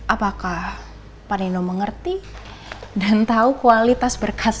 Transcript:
apakah pak nino mengerti dan tahu kualitas berkas